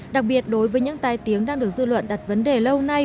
đặc biệt đối với những tai tiếng đang được dư luận đặt vấn đề lâu nay